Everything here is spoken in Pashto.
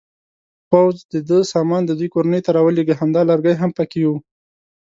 پوځ د ده سامان د دوی کورنۍ ته راولېږه، همدا لرګی هم پکې و.